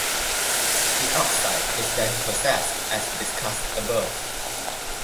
The oxide is then processed as discussed above.